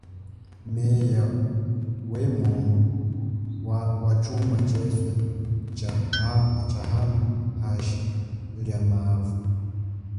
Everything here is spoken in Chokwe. Meya wemono watshuma tsheswe tsha hano hashi lia mavu.